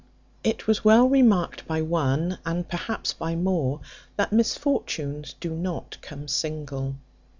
It was well remarked by one (and perhaps by more), that misfortunes do not come single.